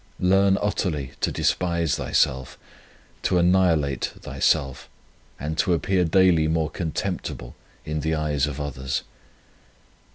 Learn utterly to despise thyself, to annihilate thyself and to appear daily more contemptible in the eyes of others.